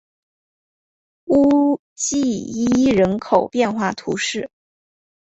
乌济伊人口变化图示